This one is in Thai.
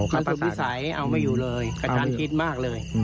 มันสุดวิสัยเอาไม่อยู่เลยกระชันคิดมากเลย